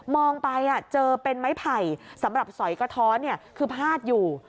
องไปเจอเป็นไม้ไผ่สำหรับสอยกระท้อนคือพาดอยู่